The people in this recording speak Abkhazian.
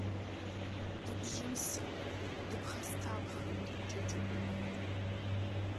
Дыбжьымсит, дыԥхасҭамхеит Ҷыҷыкәагьы.